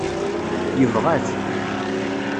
Yebɣa-t.